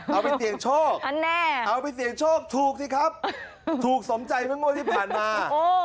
เอาไปเสี่ยงโชคเอาไปเสี่ยงโชคถูกสิครับถูกสมใจเมื่องวดที่ผ่านมา